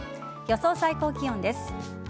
予想最高気温です。